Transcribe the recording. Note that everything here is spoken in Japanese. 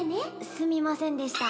すみませんでした